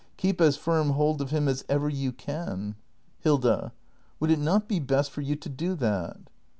Keep as firm hold of him as ever you can. Hilda. Would it not be best for you to do that